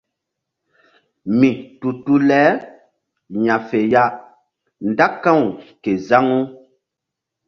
Mi tu tu le ya̧fe ya nda ka̧w ke zaŋu.